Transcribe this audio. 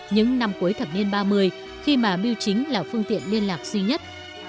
những năm cuối thẩm niên ba mươi khi mà miêu chính là phương tiện liên lạc duy nhất